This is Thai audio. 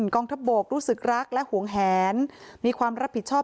กองทัพบกรู้สึกรักและห่วงแหนมีความรับผิดชอบ